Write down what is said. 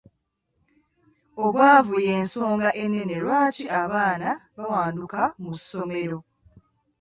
Obwavu y'ensonga ennene lwaki abaana bawanduka mu ssomero.